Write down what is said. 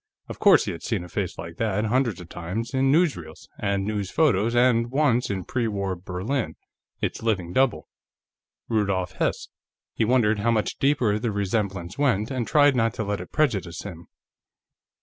Of course he had seen a face like that hundreds of times, in newsreels and news photos, and, once in pre war Berlin, its living double. Rudolf Hess. He wondered how much deeper the resemblance went, and tried not to let it prejudice him.